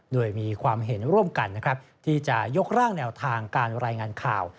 โดยมีความเห็นร่วมกันนะครับที่จะยกร่างแนวทางการรายงานข่าว